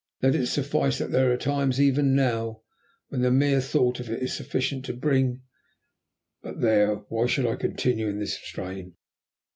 Let it suffice that there are times even now, when the mere thought of it is sufficient to bring but there why should I continue in this strain?